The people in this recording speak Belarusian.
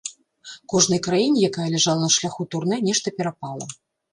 Кожнай краіне, якая ляжала на шляху турне, нешта перапала.